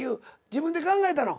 自分で考えたの？